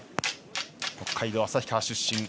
北海道旭川出身。